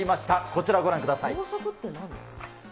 こちらご覧ください。